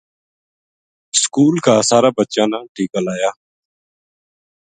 سکول کا سارا بچاں نا ٹیکہ لایا